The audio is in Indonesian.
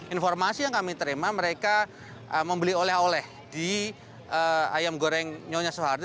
informasi yang kami terima mereka membeli oleh oleh di ayam goreng nyonya soeharto